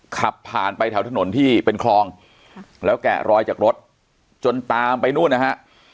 ขับผ่านไปแถวถนนที่เป็นคลองแล้วแกะรอยจากรถจนตามไปนู่นนะฮะ